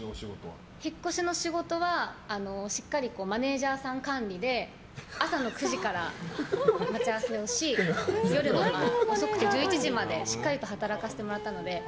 引っ越しの仕事はしっかりマネジャーさん管理で朝の９時から待ち合わせをし夜は遅くて１１時までしっかりと働かせてもらったので。